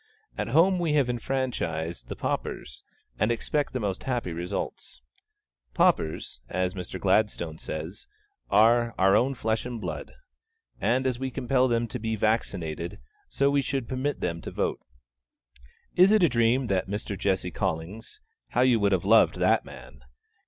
At home we have enfranchised the paupers, and expect the most happy results. Paupers (as Mr. Gladstone says) are 'our own flesh and blood,' and, as we compel them to be vaccinated, so we should permit them to vote. Is it a dream that Mr. Jesse Collings (how you would have loved that man!)